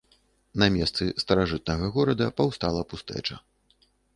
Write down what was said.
На месцы старажытнага горада паўстала пустэча.